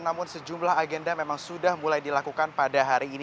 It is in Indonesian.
namun sejumlah agenda memang sudah mulai dilakukan pada hari ini